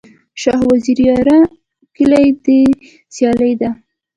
شاه وزیره یاره، کلي دي سیالي ده